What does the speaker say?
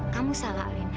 kamu salah alena